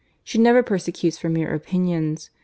She never persecutes for mere opinions.